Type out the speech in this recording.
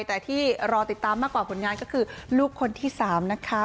แต่ที่รอติดตามมากกว่าผลงานก็คือลูกคนที่๓นะคะ